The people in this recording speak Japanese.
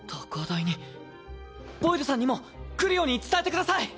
ボイドさんにも来るように伝えてください！